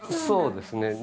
そうですね。